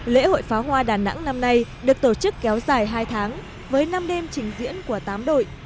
lễ hội pháo hoa đà nẵng năm nay được tổ chức kéo dài hai tháng với năm đêm trình diễn của tám đội